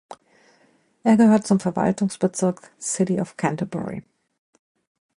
Er gehört zum Verwaltungsbezirk City of Canterbury.